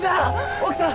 奥さん？